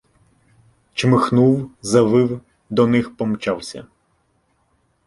Чмихнув, завив, до них помчався.